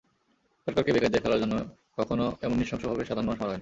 সরকারকে বেকায়দায় ফেলার জন্য কখনো এমন নৃশংসভাবে সাধারণ মানুষ মারা হয়নি।